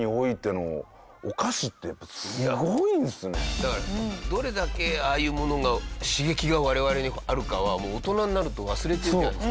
だからどれだけああいうものが刺激が我々にあるかは大人になると忘れてるじゃないですか。